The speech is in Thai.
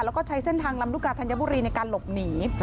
แล้วก็ใช้เส้นทางลำลูกกาธัญบุรีในการหลบหนี